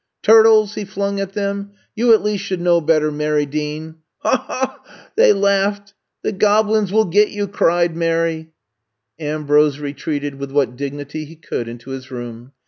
*' Turtles!" he flung at them. *'You at least should know better, Mary Dean 1 *' HawI HawP' they laughed. T)ie goblins will get you !'' cried Mary. I'VE COME TO STAY 17 Ambrose retreated with what dignity he could into his room.